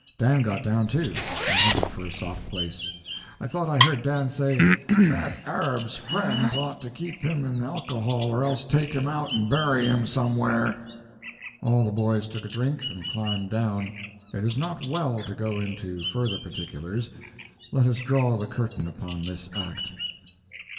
Dan got down too, and hunted for a soft place. I thought I heard Dan say, "That Arab's friends ought to keep him in alcohol or else take him out and bury him somewhere." All the boys took a drink and climbed down. It is not well to go into further particulars. Let us draw the curtain upon this act.